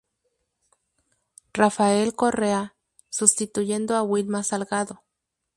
Rafael Correa, sustituyendo a Wilma Salgado.